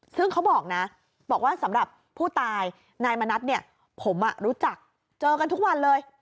ซึ่งเขาบอกนะบอกว่าสำหรับผู้ตายนายมณัฐเนี่ยผมรู้จักเจอกันทุกวันเลย